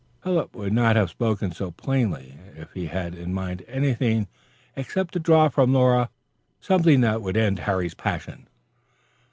Philip would not have spoken so plainly, if he had in mind anything except to draw from Laura something that would end Harry's passion.